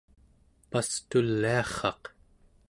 Pastuliarraq